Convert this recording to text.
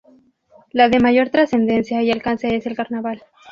La de mayor trascendencia y alcance es el carnaval.